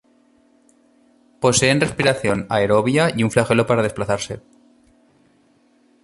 Poseen respiración aerobia y un flagelo para desplazarse.